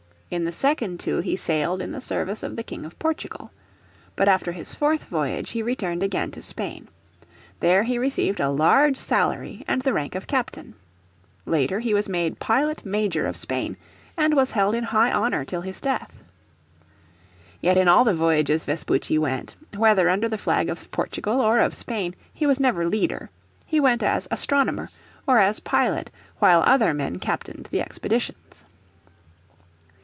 In the second two he sailed in the service of the King of Portugal. But after his fourth voyage he returned again to Spain. There he received a large salary and the rank of captain. Later he was made Pilot Major of Spain, and was held in high honour till his death. Yet in all the voyages Vespucci went, whether under the flag of Portugal or of Spain, he was never leader. He went as astronomer, or as pilot, while other men captained the expeditions.